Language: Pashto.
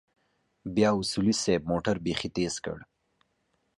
بيا اصولي صيب موټر بيخي تېز کړ.